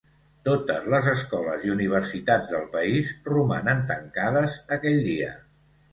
Totes les escoles i universitats del país romanen tancades aquell dia.